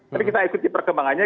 tapi kita ikuti perkembangannya